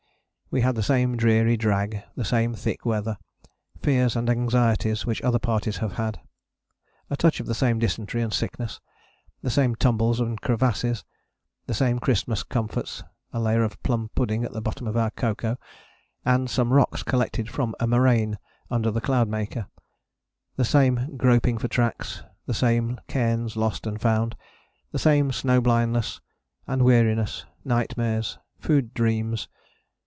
We had the same dreary drag, the same thick weather, fears and anxieties which other parties have had. A touch of the same dysentery and sickness: the same tumbles and crevasses: the same Christmas comforts, a layer of plum pudding at the bottom of our cocoa, and some rocks collected from a moraine under the Cloudmaker: the same groping for tracks: the same cairns lost and found, the same snow blindness and weariness, nightmares, food dreams....